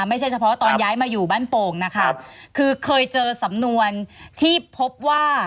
ไม่ใช่เฉพาะตอนย้ายมาอยู่บ้านโป่งนะคะคือเคยเจอสำนวนที่พบว่า